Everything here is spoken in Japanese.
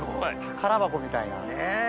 宝箱みたいな。